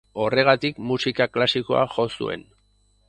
Horregatik, musika klasikoa jo zuen.